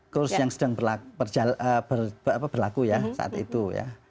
kurs yang sedang berlaku ya saat itu ya